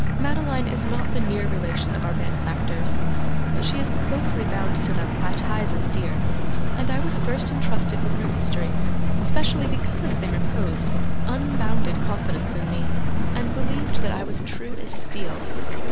'Madeline is not the near relation of our benefactors, but she is closely bound to them by ties as dear; and I was first intrusted with her history, specially because they reposed unbounded confidence in me, and believed that I was as true as steel.